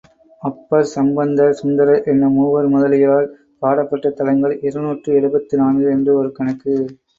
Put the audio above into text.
அப்பர், சம்பந்தர், சுந்தரர் என்னும் மூவர் முதலிகளால் பாடப்பெற்ற தலங்கள் இருநூற்று எழுபத்து நான்கு என்று ஒரு கணக்கு.